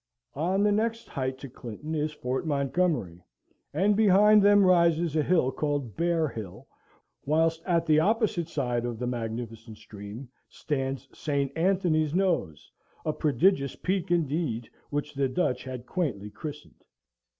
On the next height to Clinton is Fort Montgomery; and behind them rises a hill called Bear Hill; whilst at the opposite side of the magnificent stream stands "Saint Antony's Nose," a prodigious peak indeed, which the Dutch had quaintly christened.